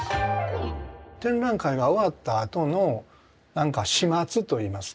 展覧会が終わったあとの何か始末といいますか。